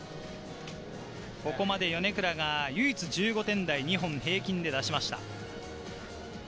ここまで米倉が唯一１５点台、２本平均で出しました。